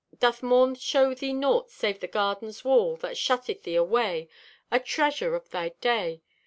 Doth morn shew thee naught save thy garden's wall That shutteth thee away, a treasure o' thy day?